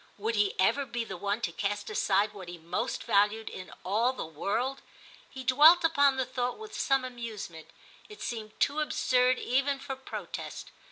Would he ever be the one to cast aside what he most valued in all the world ? He dwelt upon the thought with some amuse ment ; it seemed too absurd even for protest.